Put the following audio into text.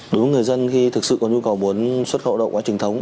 đối với người dân khi thực sự có nhu cầu muốn xuất khẩu động quá trình thống